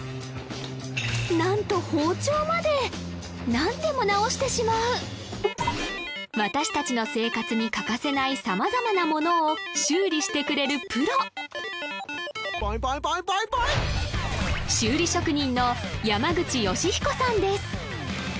なんと包丁まで何でも直してしまう私達の生活に欠かせない様々なものを修理してくれるプロ修理職人の山口佳彦さんです